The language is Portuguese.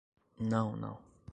Não, não